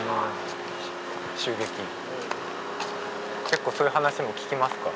結構そういう話も聞きますか？